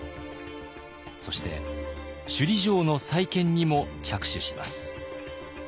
そして首里城の再建にも着手します。